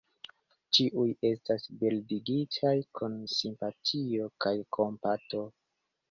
Ĉiuj estas bildigitaj kun simpatio kaj kompato.